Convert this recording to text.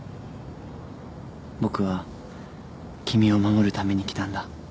僕は君を守るために来たんだ。